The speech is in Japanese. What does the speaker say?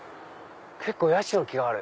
結構ヤシの木がある。